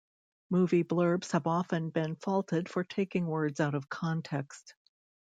Movie blurbs have often been faulted for taking words out of context.